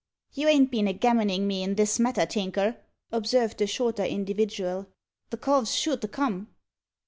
"You ain't a been a gammonin' me in this matter, Tinker?" observed the shorter individual. "The cove's sure to come?"